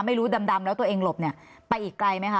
ดำแล้วตัวเองหลบเนี่ยไปอีกไกลไหมคะ